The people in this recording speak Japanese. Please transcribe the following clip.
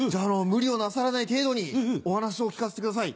無理をなさらない程度にお話を聞かせてください。